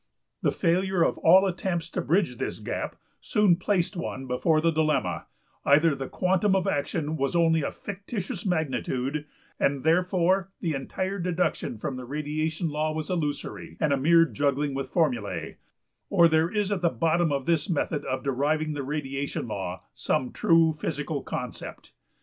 The failure of all attempts to bridge this gap soon placed one before the dilemma: either the quantum of action was only a fictitious magnitude, and, therefore, the entire deduction from the radiation law was illusory and a mere juggling with formulae, or there is at the bottom of this method of deriving the radiation law some true physical concept.